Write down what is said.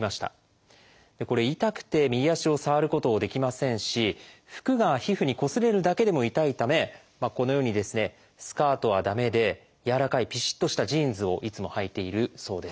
痛くて右足を触ることできませんし服が皮膚にこすれるだけでも痛いためこのようにスカートは駄目で柔らかいピシッとしたジーンズをいつもはいているそうです。